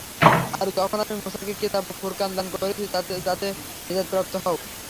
আর যখন আমি মূসাকে কিতাব ও ফুরকান দান করেছিলাম যাতে তোমরা হিদায়াতপ্রাপ্ত হও।